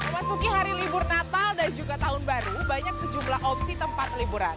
masuki hari libur natal dan juga tahun baru banyak sejumlah opsi tempat liburan